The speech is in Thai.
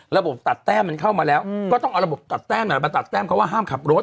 ระบบตัดแต้มมันเข้ามาแล้วก็ต้องเอาระบบตัดแต้มมาตัดแต้มเขาว่าห้ามขับรถ